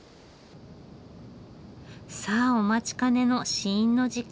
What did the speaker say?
さあお待ちかねの試飲の時間。